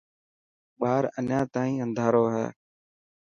ٻار اڃا تائين انڌارو هي.